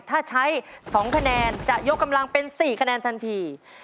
ถ้าใช้๒คะแนนจะยกกำลังเป็น๔คะแนนทันที